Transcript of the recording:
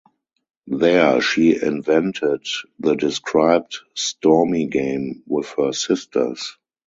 There she invented the described "stormy game" with her sisters.